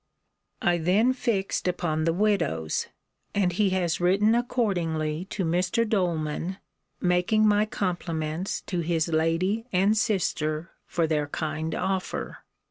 I then fixed upon the widow's; and he has written accordingly to Mr. Doleman, making my compliments to his lady and sister, for their kind offer.